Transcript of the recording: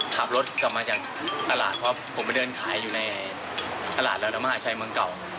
ขับรถกลับมาจากตลาดเพราะผมไปเดินขายอยู่ในตลาดระดมหาชัยเมืองเก่า